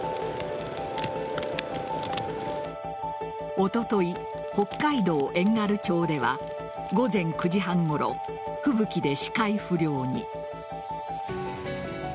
おととい、北海道遠軽町では午前９時半ごろ吹雪で視界不良に。